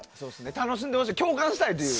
楽しんでほしい共感したいという。